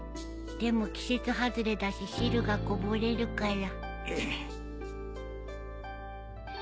でも季節外れだし汁がこぼれるから。